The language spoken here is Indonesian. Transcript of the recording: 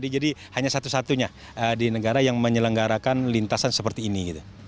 jadi hanya satu satunya di negara yang menyelenggarakan lintasan seperti ini